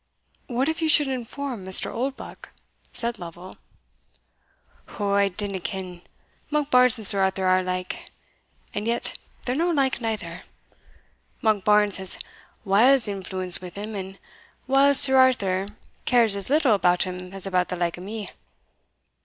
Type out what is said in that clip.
"What if you should inform Mr. Oldbuck?" said Lovel. "Ou, I dinna ken Monkbarns and Sir Arthur are like, and yet they're no like neither. Monkbarns has whiles influence wi' him, and whiles Sir Arthur cares as little about him as about the like o' me.